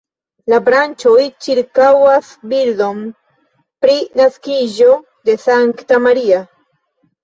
La branĉoj ĉirkaŭas bildon pri naskiĝo de Sankta Maria.